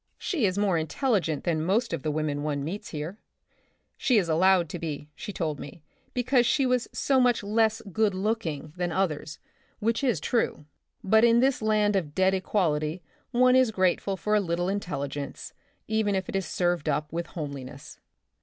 She is more intelligent than most of the women one meets here. She is allowed to be, she told me, because she was so much less good looking The Republic of the Future, 8i than others, which is true. But in this land of dead equality one is grateful for a little intelli gence, even if it be served up with home liness).